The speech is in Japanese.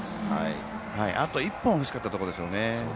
あと１本欲しかったところでしょうね。